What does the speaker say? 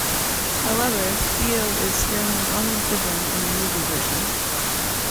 However, Theo is Sterling's only sibling in the movie version.